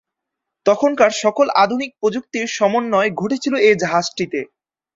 তখনকার সকল আধুনিক প্রযুক্তির সমন্বয় ঘটেছিল এ জাহাজটিতে।